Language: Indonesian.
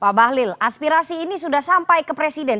pak bahlil aspirasi ini sudah sampai ke presiden